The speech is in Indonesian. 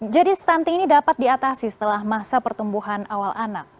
jadi stunting ini dapat diatasi setelah masa pertumbuhan awal anak